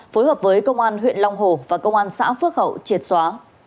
phối hợp với công an huyện long hồ và công an xã phước hậu triệt xóa